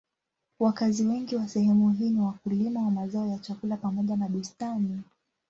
Wakazi wengi wa sehemu hii ni wakulima wa mazao ya chakula pamoja na bustani.